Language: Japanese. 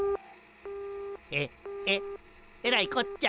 ええらいこっちゃ。